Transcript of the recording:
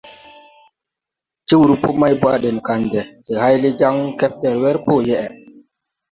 Ti wur pɔ maypo à ɗɛŋ kandɛ de hayle jaŋ kɛfder wer koo yeʼe.